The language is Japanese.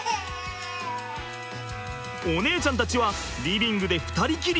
お姉ちゃんたちはリビングで２人きり。